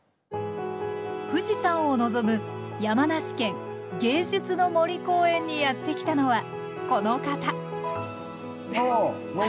富士山を望む山梨県芸術の森公園にやって来たのはこの方おう